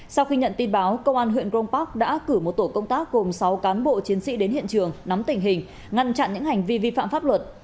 sau khi nhận tin báo công an huyện grong park đã cử một tổ công tác gồm sáu cán bộ chiến sĩ đến hiện trường nắm tình hình ngăn chặn những hành vi vi phạm pháp luật